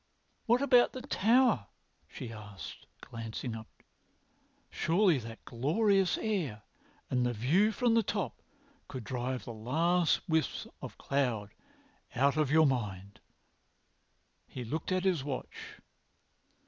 "What about the Tower?" she asked, glancing upwards. "Surely that glorious air and the view from the top would drive the last wisps of cloud out of your mind." He looked at his watch.